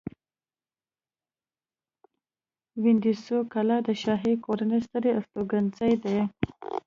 وینډسور کلا د شاهي کورنۍ ستر استوګنځی دی.